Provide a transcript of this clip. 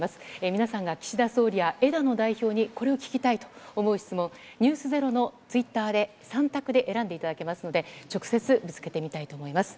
皆さんが岸田総理や枝野代表に、これを聞きたいと思う質問、ｎｅｗｓｚｅｒｏのツイッターで、３択で選んでいただきますので、直接ぶつけてみたいと思います。